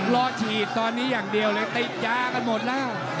รอฉีดตอนนี้อย่างเดียวเลยติดยากันหมดแล้ว